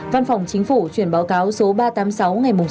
văn phòng chính phủ chuyển báo cáo số ba trăm tám mươi sáu ngày sáu tháng